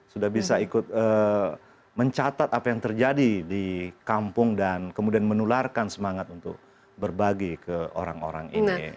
sudah bisa ikut mencatat apa yang terjadi di kampung dan kemudian menularkan semangat untuk berbagi ke orang orang ini